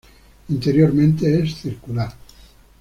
Interiormente es circular.